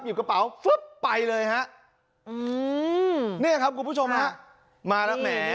หยิบกระเป๋าฟึ๊บไปเลยฮะอืมนี่แหละครับคุณผู้ชมฮะมาแล้วแหมแหม